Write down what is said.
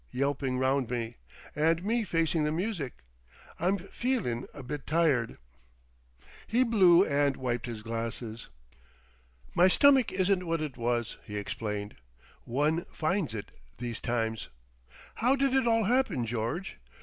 Yelping round me.... And me facing the music. I'm feelin' a bit tired." He blew and wiped his glasses. "My stomack isn't what it was," he explained. "One finds it—these times. How did it all happen, George?